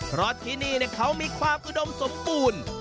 เพราะที่นี่เขามีความอุดมสมบูรณ์